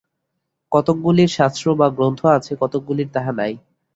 কতকগুলির শাস্ত্র বা গ্রন্থ আছে, কতকগুলির তাহা নাই।